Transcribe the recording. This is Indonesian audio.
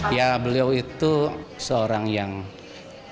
ya beliau itu seorang yang fast learner ya